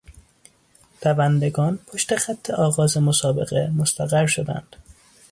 دوندگان پشت خط آغاز مسابقه مستقر شدند.